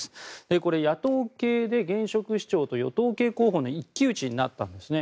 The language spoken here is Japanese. これ、野党系で現職市長と与党系候補の一騎打ちになったんですね。